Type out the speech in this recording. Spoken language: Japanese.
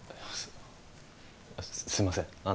あすいません